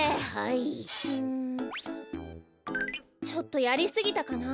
ちょっとやりすぎたかな？